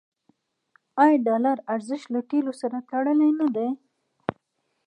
آیا د ډالر ارزښت له تیلو سره تړلی نه دی؟